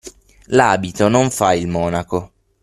L'abito non fa il monaco.